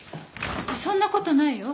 そんなことないよ